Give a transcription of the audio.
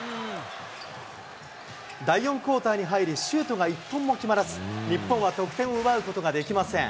第４クオーターに入り、シュートが一本も決まらず、日本は得点を奪うことができません。